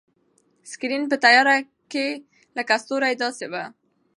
سکرین په تیاره کې لکه ستوری داسې و.